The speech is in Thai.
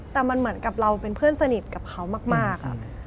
แต่มันเหมือนกับเราเป็นเพื่อนสนิทกับเขามาก